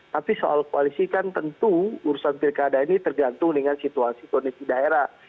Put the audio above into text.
tapi soal koalisi kan tentu urusan pilkada ini tergantung dengan situasi kondisi daerah